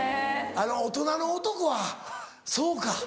大人の男はそうか。